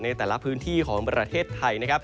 ในแต่ละพื้นที่ของประเทศไทยนะครับ